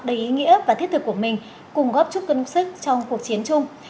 đầy ý nghĩa và thiết thực của mình cùng góp chút cân sức trong cuộc chiến chung